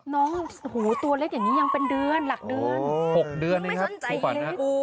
น้องโหตัวเล่นอย่างนี้ยังเป็นเดือนหลักเดือน